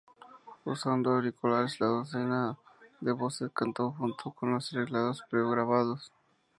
Usando auriculares, la docena de voces cantó junto con los arreglos pregrabados.